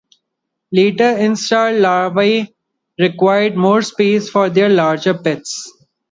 Later instar larvae required more space for their larger pits.